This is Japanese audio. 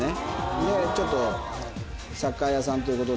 でちょっとサッカー屋さんということで。